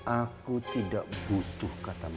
aku tidak butuh kata maaf